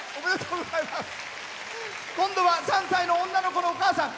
今度は３歳の女の子のお母さん。